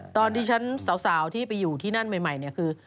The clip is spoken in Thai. ตอนที่ฉันสาวที่ไปอยู่ที่นั่นใหม่เนี่ยคือ